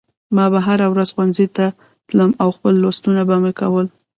ما به هره ورځ ښوونځي ته تلم او خپل لوستونه به مې کول